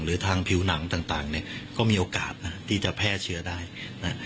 หรือทางผิวหนังต่างเนี่ยก็มีโอกาสนะที่จะแพร่เชื้อได้นะ